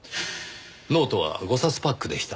ノートは５冊パックでした。